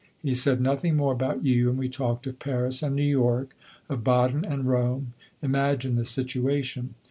He said nothing more about you, and we talked of Paris and New York, of Baden and Rome. Imagine the situation!